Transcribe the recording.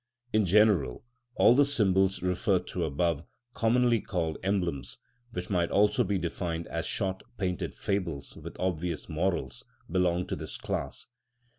In general all those symbols referred to above, commonly called emblems, which might also be defined as short painted fables with obvious morals, belong to this class.